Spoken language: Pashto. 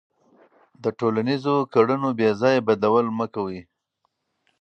د ټولنیزو کړنو بېځایه بدلول مه کوه.